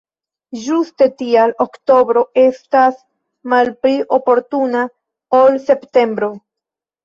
Ĝuste tial oktobro estas malpli oportuna ol septembro.